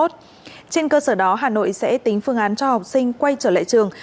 trên cơ sở đó hà nội sẽ tính phương án cho học sinh quay trở lại trường